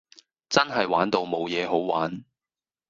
真係玩到無野好玩